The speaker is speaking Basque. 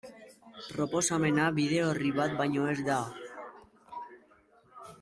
Proposamena bide orri bat baino ez da.